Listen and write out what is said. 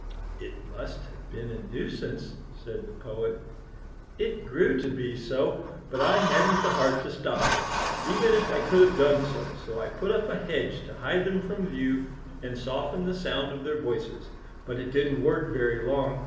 "It must have been a nuisance," said the Poet. "It grew to be so; but I hadn't the heart to stop it, even if I could have done so, so I put up a hedge to hide them from view and soften the sound of their voices; but it didn't work very long.